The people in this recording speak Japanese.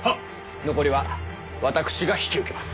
残りは私が引き受けます。